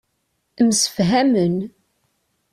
Msefhamen.